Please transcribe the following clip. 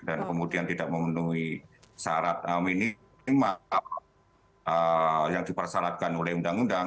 dan kemudian tidak memenuhi syarat minima yang dipersyaratkan oleh undang undang